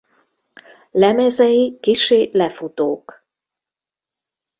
Lemezei kissé lefutók.